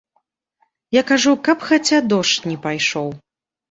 Я кажу, каб хаця дождж не пайшоў.